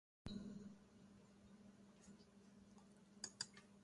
Wauters was among them.